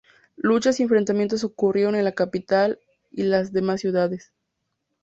Luchas y enfrentamientos ocurrieron en la capital y las demás ciudades.